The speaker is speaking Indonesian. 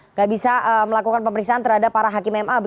nggak bisa melakukan pemeriksaan terhadap para hakim ma